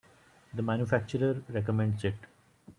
The manufacturer recommends it.